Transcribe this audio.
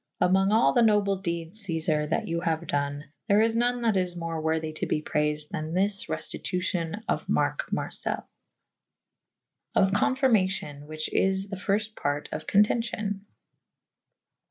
Amonge all the noble dedes Ceiar' that you haue done there is non that is more worthy to be prayfed then this reftitufion of Marke Marcell. Of Confyrmacion /which is the fyrfte parte of Contencion.